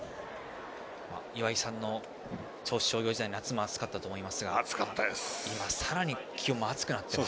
岩井さんの銚子商業時代夏、暑かったと思いますがさらに気温も暑くなっています。